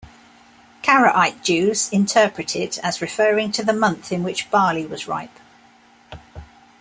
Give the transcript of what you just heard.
Karaite Jews interpret it as referring to the month in which barley was ripe.